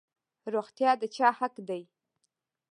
روغتیا د چا حق دی؟